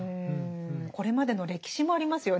これまでの歴史もありますよね。